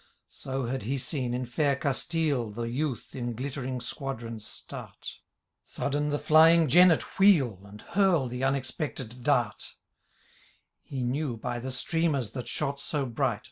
So had he seen, in fair' Castile, The youth in glittering squadrons start ; Sudden the flying jennet wheel, And hurl the unexpected dart He knew, by the streamers that shot so bright.